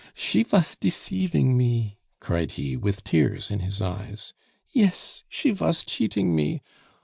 "She vas deceiving me!" cried he, with tears in his eyes. "Yes, she vas cheating me.